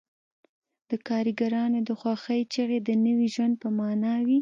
د کارګرانو د خوښۍ چیغې د نوي ژوند په مانا وې